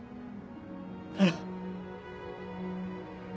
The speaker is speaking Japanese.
なら。